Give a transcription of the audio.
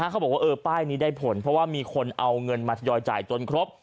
เขาบอกว่าป้ายนี้ได้ผลเพราะว่ามีคนเอาเงินมาทยอยจ่ายจนครบ